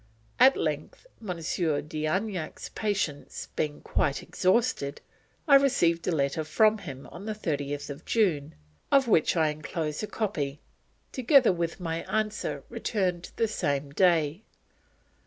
At length, Monsieur d'Anjac's patience being quite exhausted, I received a letter from him on the 30th of June, of which I enclose a copy together with my answer returned the same day.